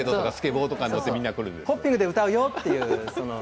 ホッピングで歌うよって。